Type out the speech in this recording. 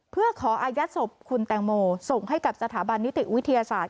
เพื่อขออายัดศพคุณแตงโมส่งให้กับสถาบันนิติวิทยาศาสตร์